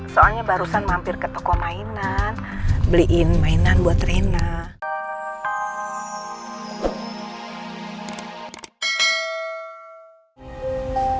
soalnya barusan mampir ke toko mainan beliin mainan buat rena